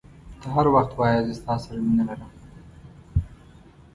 ته هر وخت وایي زه ستا سره مینه لرم.